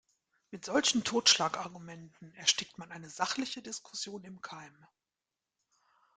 Mit solchen Totschlagargumenten erstickt man eine sachliche Diskussion im Keim.